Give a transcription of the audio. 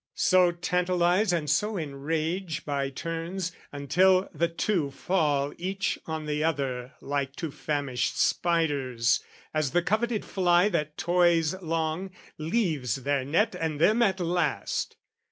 " So tantalise and so enrage by turns, "Until the two fall each on the other like "Two famished spiders, as the coveted fly "That toys long, leaves their net and them at last!"